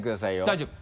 大丈夫。